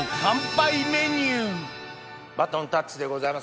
バトンタッチでございます